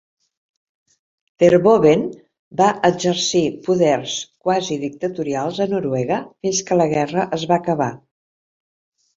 Terboven va exercir poders quasi dictatorials a Noruega fins que la guerra es va acabar.